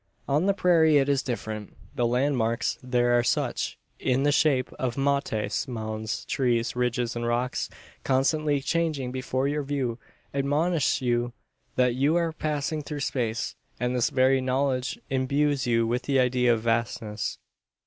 On the prairie it is different. The "landmarks" there are such, in the shape of "mottes," mounds, trees, ridges, and rocks constantly changing before your view, admonish you that you are passing through space; and this very knowledge imbues you with the idea of vastness.